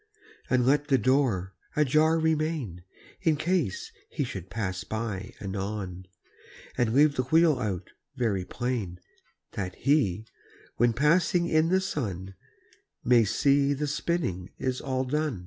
And let the door ajar remain, In case he should pass by anon; And leave the wheel out very plain, That HE, when passing in the sun, May see the spinning is all done.